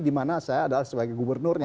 di mana saya adalah sebagai gubernurnya